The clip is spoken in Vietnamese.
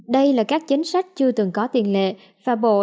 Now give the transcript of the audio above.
đây là các chính sách chưa từng có tiền lệ và bộ đã làm ngày làm đêm để kịp thời